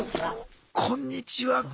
こんにちは。